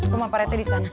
rumah pak rt disana